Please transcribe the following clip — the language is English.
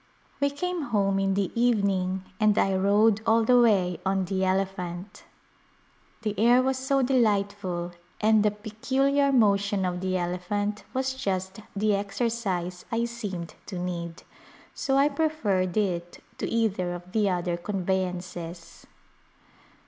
We came home in the evening and I rode all the way on the elephant. The air was so delightful and the peculiar motion of the elephant was just the exercise I seemed to need, so I preferred it to either of the other conveyances.